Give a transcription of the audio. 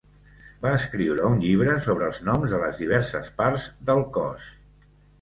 Va escriure un llibre sobre els noms de les diverses parts del cos.